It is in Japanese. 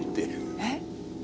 えっ？